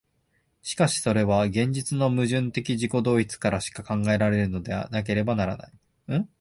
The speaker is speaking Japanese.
しかしそれは現実の矛盾的自己同一からしか考えられるのでなければならない。